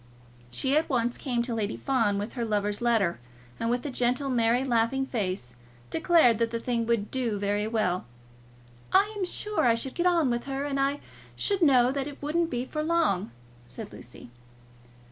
She at once came to Lady Fawn with her lover's letter, and with a gentle merry laughing face declared that the thing would do very well. "I am sure I should get on with her, and I should know that it wouldn't be for long," said Lucy.